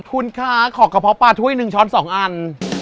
คุณคะขอกระเพาะปลาถ้วยหนึ่งช้อน๒อัน